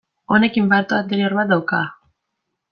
Honek infarto anterior bat dauka.